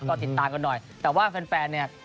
ก็ติดตามกันหน่อยแต่ว่าแฟนเนี่ย